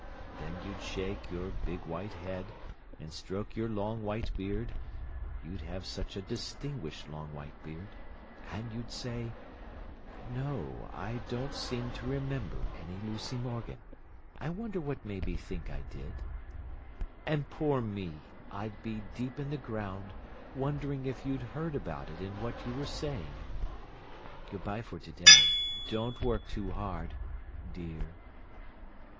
Then you'd shake your big white head and stroke your long white beard—you'd have such a distinguished long white beard! and you'd say, 'No. I don't seem to remember any Lucy Morgan; I wonder what made me think I did?' And poor me! I'd be deep in the ground, wondering if you'd heard about it and what you were saying! Good bye for to day. Don't work too hard—dear!